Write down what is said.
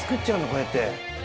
こうやって。